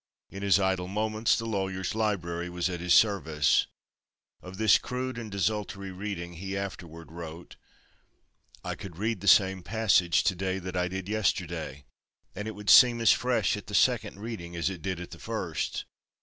In his idle moments the lawyer's library was at his service. Of this crude and desultory reading he afterward wrote: "I could read the same passage to day that I did yesterday and it would seem as fresh at the second reading as it did at the first.